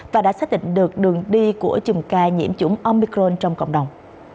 và đã xác định được đường đi của chùm ca nhiễm chủng omicron trong cộng đồng